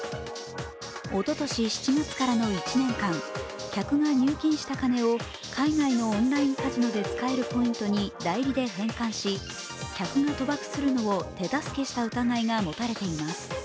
おととし７月からの１年間客が入金した金を海外のオンラインカジノで使えるポイントに代理で変換し客が賭博するのを手助けした疑いが持たれています。